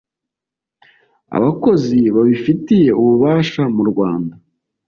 abakozi babifitiye ububasha mu Rwanda